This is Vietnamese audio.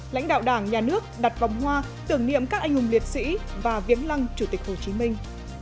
lãnh đạo đảng nhà nước đặt vòng hoa tưởng niệm các anh hùng liệt sĩ và viếng lăng chủ tịch hồ chí minh